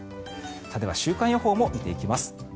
では、週間予報も見ていきます。